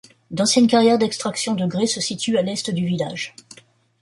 D'anciennes carrières d'extraction de grès se situent à l'est du village.